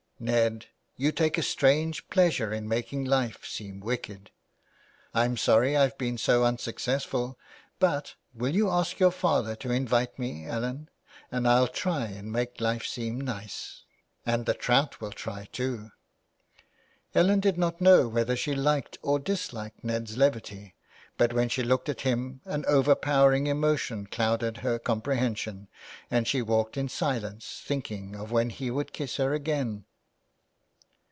Ned, you take a strange pleasure in making life seem wicked." "I'm sorry I've been so unsuccessful, but will you ask your father to invite me, Ellen ? and I'll try and make life seem nice — and the trout will try, too." Ellen did not know whether she liked or disliked Ned's levity, but when she looked at him an over powering emotion clouded her comprehension and she walked in silence, thinking of when he would kiss her again.